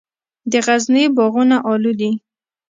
د غزني باغونه الو دي